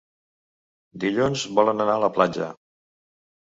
Dilluns volen anar a la platja.